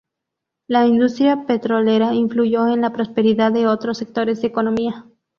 La industria petrolera influyó en la prosperidad de otros sectores de economía.